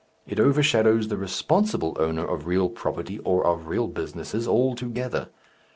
It overshadows the responsible owner of real property or of real businesses altogether.